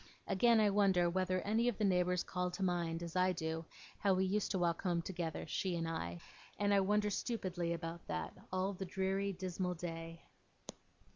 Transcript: Again, I wonder whether any of the neighbours call to mind, as I do, how we used to walk home together, she and I; and I wonder stupidly about that, all the dreary dismal day.